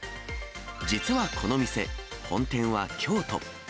実はこの店、本店は京都。